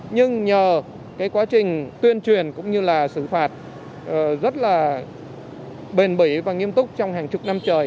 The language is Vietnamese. nhưng nhờ cái quá trình tuyên truyền cũng như là xử phạt rất là bền bỉ và nghiêm túc trong hàng chục năm trời